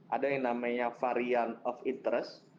ada yang namanya varian of interest